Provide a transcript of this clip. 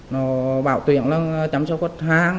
nó bảo tuyển là chăm sóc khuất hàng